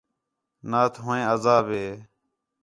نات ہُو عیں عذاب ہے